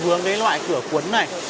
với cái loại cửa cuốn này